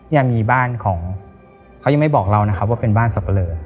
ยังมีบ้านของเขายังไม่บอกเรานะครับว่าเป็นบ้านสับปะเลอ